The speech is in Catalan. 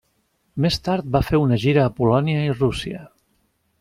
Més tard van fer una gira a Polònia i Rússia.